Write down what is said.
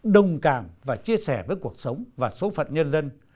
đồng cảm và chia sẻ với cuộc sống và số phận nhân dân